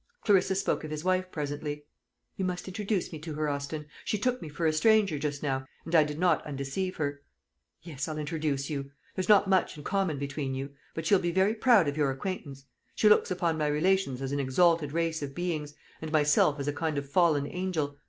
Clarissa spoke of his wife presently. "You must introduce me to her, Austin. She took me for a stranger just now, and I did not undeceive her." "Yes I'll introduce you. There's not much in common between you; but she'll be very proud of your acquaintance. She looks upon my relations as an exalted race of beings, and myself as a kind of fallen angel.